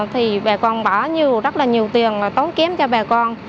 thì bà con bỏ nhiều rất là nhiều tiền tốn kém cho bà con